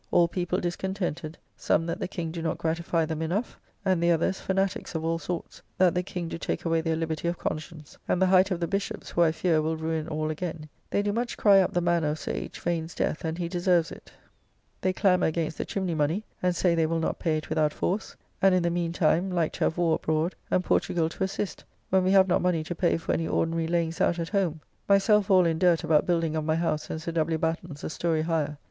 All people discontented; some that the King do not gratify them enough; and the others, Fanatiques of all sorts, that the King do take away their liberty of conscience; and the height of the Bishops, who I fear will ruin all again. They do much cry up the manner of Sir H. Vane's death, and he deserves it. They clamour against the chimney money, and say they will not pay it without force. And in the mean time, like to have war abroad; and Portugall to assist, when we have not money to pay for any ordinary layings out at home. Myself all in dirt about building of my house and Sir W. Batten's a story higher.